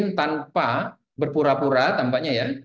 mungkin tanpa berpura pura tampaknya ya